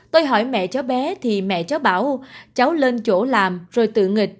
tôi hỏi mẹ cháu bé thì mẹ cháu bảo cháu lên chỗ làm rồi tự nghịch